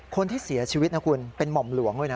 คนที่เสียชีวิตนะคุณเป็นหม่อมหลวงด้วยนะ